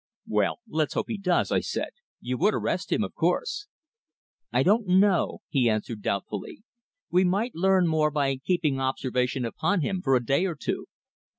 "Well, let's hope he does," I said. "You would arrest him, of course?" "I don't know," he answered doubtfully. "We might learn more by keeping observation upon him for a day or two."